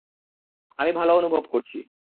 আমি ভালো অনুভব করছি।